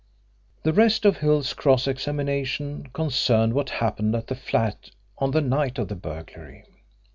The rest of Hill's cross examination concerned what happened at the flat on the night of the burglary.